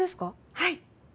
はい。